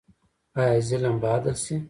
آیا ظلم به عدل شي؟